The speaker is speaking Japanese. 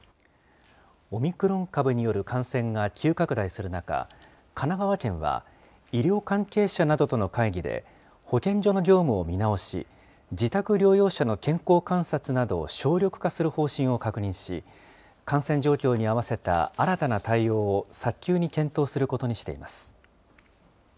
オミクロン株による感染が急拡大する中、神奈川県は、医療関係者などとの会議で、保健所の業務を見直し、自宅療養者の健康観察などを省力化する方針を確認し、感染状況に合わせた新たな対応を早急に検討することにしています。